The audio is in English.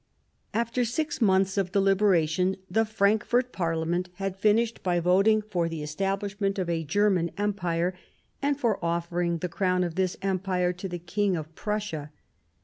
After six months of discussion, the Frankfort Parliament had finished by voting for the establish ment of a German Empire and for offering the crown of this Empire to the King of Prussia.